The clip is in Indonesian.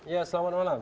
ya selamat malam